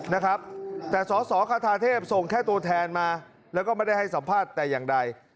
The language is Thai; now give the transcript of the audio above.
นะครับแต่สอสอคาทาเทพส่งแค่ตัวแทนมาแล้วก็ไม่ได้ให้สัมภาษณ์แต่อย่างใด